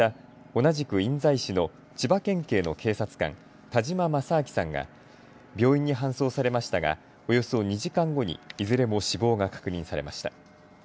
同じく印西市の千葉県警の警察官、田嶋正明さんが病院に搬送されましたがおよそ２時間後にいずれも死亡が確認されました。